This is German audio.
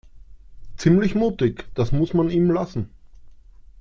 Ziemlich mutig, das muss man ihm lassen.